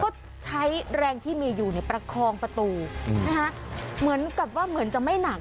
ก็ใช้แรงที่มีอยู่เนี่ยประคองประตูเหมือนกับว่าเหมือนจะไม่หนัก